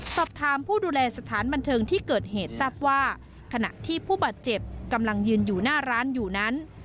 สอบถามผู้ดูแลสถานบันเทิงที่เกิดเหตุทราบว่าขณะที่ผู้บาดเจ็บกำลังยืนอยู่หน้าร้านอยู่นั้น